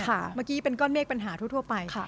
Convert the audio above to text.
เมื่อกี้เป็นก้อนเมฆปัญหาทั่วไป